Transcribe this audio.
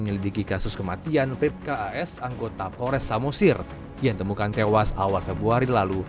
menyelidiki kasus kematian ripka as anggota polres samosir yang temukan tewas awal februari lalu